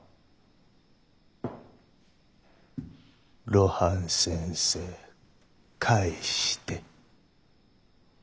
・露伴先生返してッ。